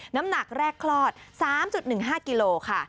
น้ำหนักแรกคลอด๓๑๕กิโลค่ะ